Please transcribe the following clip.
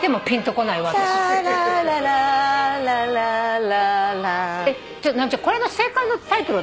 これの正解のタイトルは何？